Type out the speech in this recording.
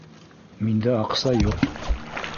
Миндә аҡса юҡ.